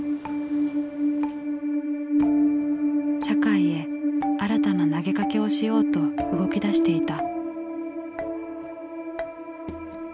社会へ新たな投げかけをしようと動きだしていた。